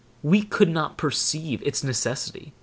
We could not perceive its necessity.